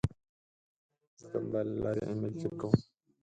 زه د موبایل له لارې ایمیل چک کوم.